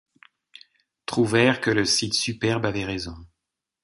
Trouvèrent que le Cid superbe avait raison.